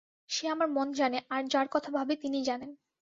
সে আমার মন জানে, আর যাঁর কথা ভাবি তিনিই জানেন।